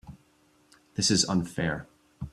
This is unfair.